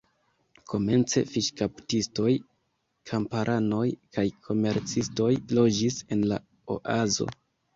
Komence fiŝkaptistoj, kamparanoj kaj komercistoj loĝis en la oazo.